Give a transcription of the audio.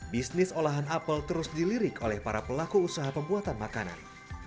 bisnis olahan apel terus dilirik oleh para pelaku usaha pembuatan makanan